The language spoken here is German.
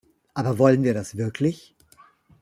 Aber wollen wir das wirklich?